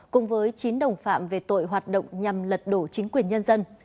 cùng với chín đồng phạm về tội hoạt động nhằm lật đổ chính quyền nhân dân